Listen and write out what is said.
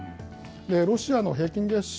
ロシアの平均月収